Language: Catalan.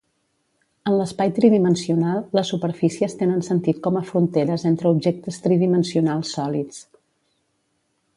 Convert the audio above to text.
En l'espai tridimensional, les superfícies tenen sentit com a fronteres entre objectes tridimensionals sòlids.